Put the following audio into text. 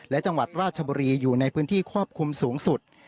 และจังหวัดราชบุรีอยู่ในพื้นที่ควบคุมสูงสุด